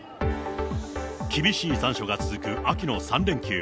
厳しい残暑が続く秋の３連休。